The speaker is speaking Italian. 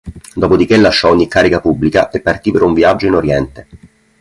Dopodiché lasciò ogni carica pubblica e partì per un viaggio in Oriente.